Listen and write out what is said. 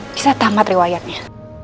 tidak ada yang bisa melihatnya